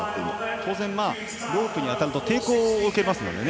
当然ロープに当たると抵抗を受けるので。